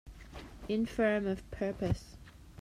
Infirm of purpose